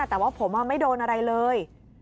แต่ว่าผมไม่โดนอะไรเลย